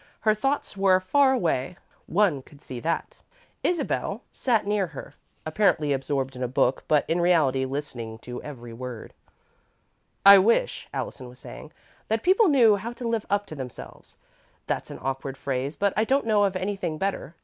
Her thoughts were far away one could see that. Isabel sat near her, apparently absorbed in a book, but, in reality, listening to every word. "I wish," Allison was saying, "that people knew how to live up to themselves. That's an awkward phrase, but I don't know of anything better.